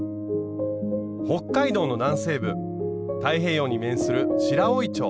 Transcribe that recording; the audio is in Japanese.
北海道の南西部太平洋に面する白老町。